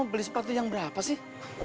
lihatlah ada di sepatu yang berapa sih